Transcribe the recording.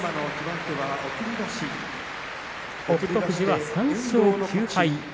富士は３勝９敗。